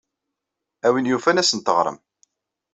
A win yufan ad asen-teɣrem.